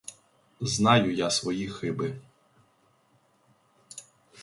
Знаю я свої хиби.